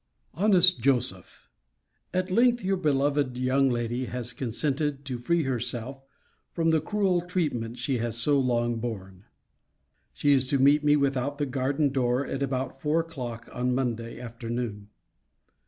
HONEST JOSEPH, At length your beloved young lady has consented to free herself from the cruel treatment she has so long borne. She is to meet me without the garden door at about four o'clock on Monday afternoon.